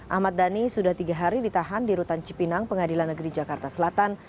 ahmad dhani sudah tiga hari ditahan di rutan cipinang pengadilan negeri jakarta selatan